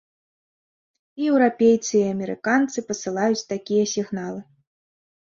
І еўрапейцы, і амерыканцы пасылаюць такія сігналы.